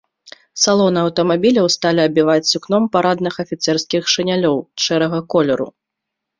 Салоны аўтамабіляў сталі абіваць сукном парадных афіцэрскіх шынялёў шэрага колеру.